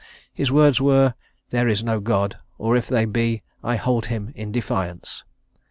His words were, "There is no God or if there be, I hold him in defiance."